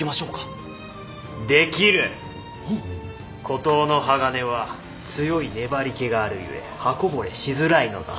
古刀の鋼は強い粘りけがあるゆえ刃こぼれしづらいのだ。